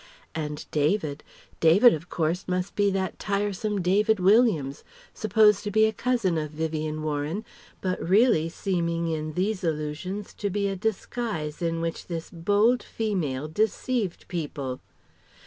And David, David of course must be that tiresome David Williams, supposed to be a cousin of Vivien Warren, but really seeming in these allusions to be a disguise in which this bold female deceived people.